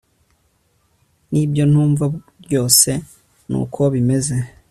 nibyo ntumva ryose nukobimeze